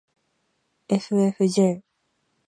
ｆｆｊ